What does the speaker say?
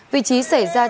vị trí xảy ra trận lũ ống